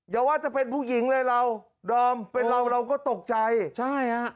อย่าว่าจะเป็นผู้หญิงเลยเราดอมเป็นเราเราก็ตกใจใช่ฮะ